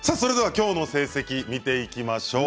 今日の成績見ていきましょう。